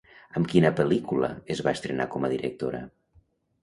Amb quina pel·lícula es va estrenar com a directora?